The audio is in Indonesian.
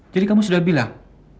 jadi kamu sudah bilang